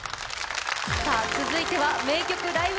続いては「名曲ライブ！